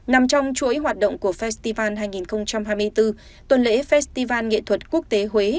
nằm trong chuỗi hoạt động của festival hai nghìn hai mươi bốn tuần lễ festival nghệ thuật quốc tế huế